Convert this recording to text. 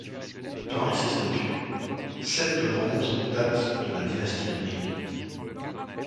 Parmi ces statues, sept de bronze datent de la dynastie Ming.